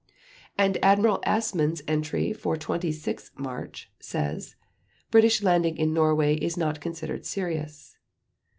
And Admiral Assmann's entry for 26 March says: "British landing in Norway not considered serious."